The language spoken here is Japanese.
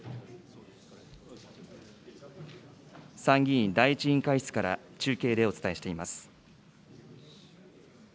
参議院第１委員会室から中継でお伝えしています。